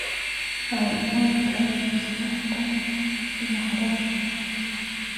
عفوا تعف نساؤكم في المحرم